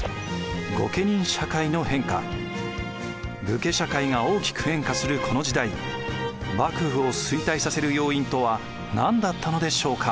武家社会が大きく変化するこの時代幕府を衰退させる要因とは何だったのでしょうか？